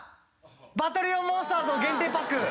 バトリオンモンスターズの限定パック！